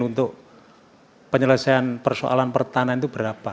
untuk penyelesaian persoalan pertahanan itu berapa